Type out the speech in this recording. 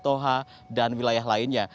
toha dan wilayah lainnya